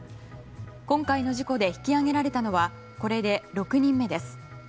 今回の事故で引き揚げられたのはこれで６人目です。